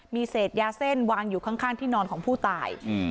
มีเศษยาเส้นวางอยู่ข้างที่นอนของผู้ตาย